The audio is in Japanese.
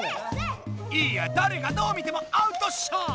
いやだれがどう見てもアウトっしょ！